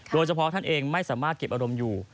โดยเฉพาะท่านเองไม่สามารถเก็บอารมณ์อยู่